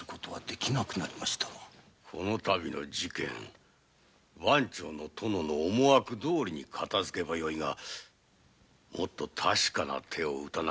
このたびの事件殿の思惑どおり片づけばよいがもっと確かな手を打たねばならんな。